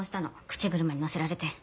口車に乗せられて。